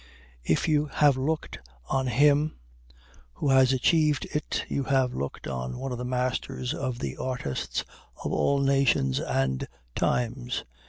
If you have look'd on him who has achiev'd it you have look'd on one of the masters of the artists of all nations and times.